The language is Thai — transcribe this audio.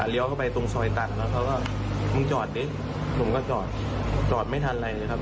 เข้าไปตรงซอยตันแล้วเขาก็มึงจอดดิผมก็จอดจอดไม่ทันอะไรเลยครับ